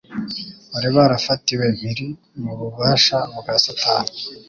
bari barafatiwe mpiri mu bubasha bwa Satani.